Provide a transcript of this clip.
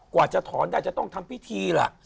กว่าจะถอนได้จะต้องทำพิธีล่ะ